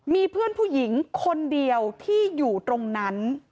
มีเพื่อนผู้หญิงคนเดียวที่อยู่ตรงนั้น